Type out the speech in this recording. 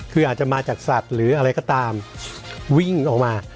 คืออาจจะมาจากสัตว์หรืออะไรก็ตามวิ่งออกมา